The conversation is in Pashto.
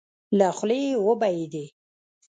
له خولې يې وبهېدې.